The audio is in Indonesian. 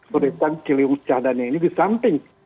berikan ciliwung cahdani ini di samping